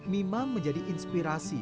mima menjadi inspirasi